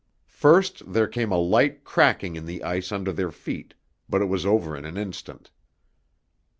First there came a light cracking in the ice under their feet, but it was over in an instant.